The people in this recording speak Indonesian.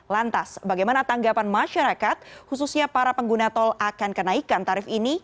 lantas bagaimana tanggapan masyarakat khususnya para pengguna tol akan kenaikan tarif ini